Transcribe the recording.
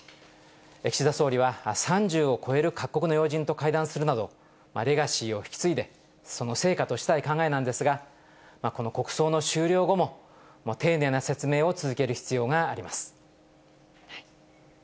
岸田総理は３０を超える各国の要人と会談するなど、レガシーを引き継いで、その成果としたい考えなんですが、この国葬の終了後も、丁寧な説明を続ける必要があります。